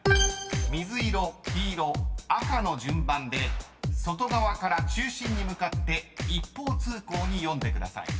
［水色・黄色・赤の順番で外側から中心に向かって一方通行に読んでください］